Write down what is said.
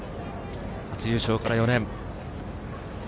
初優勝から４年。